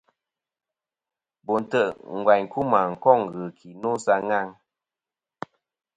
Bo ntè' ngvaynkuma koŋ ghɨki no sa ghaŋ.